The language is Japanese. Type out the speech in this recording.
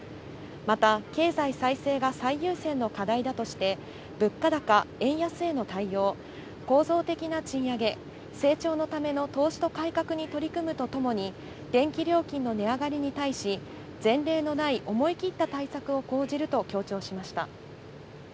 また、経済再生が最優先の課題だとして、物価高・円安への対応、構造的な賃上げ、成長のための投資と改革に取り組むとともに、電気料金の値上がりに対し、前例のない思い切った対策を講じると強調しました。